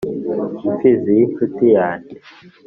imfizi y‟inshuti yange.